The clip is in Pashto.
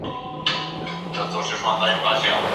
دواړه دې خپلو منځو کي بد عادتونه سره وښيي.